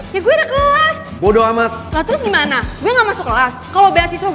ya gue ada kelas